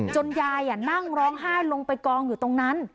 ยายนั่งร้องไห้ลงไปกองอยู่ตรงนั้น